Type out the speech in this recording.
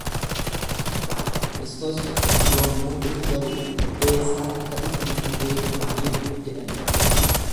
Kristos yommuu dhufu garuu, eessaa akka dhufu namni beeku hin jiru jedhan.